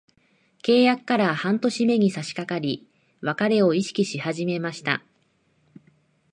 契約から半年目に差しかかり、別れを意識し始めました。